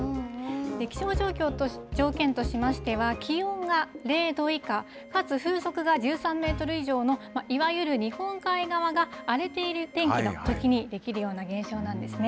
気象条件としましては、気温が０度以下、かつ風速が１３メートル以上の、いわゆる日本海側が荒れている天気のときにできるような現象なんですね。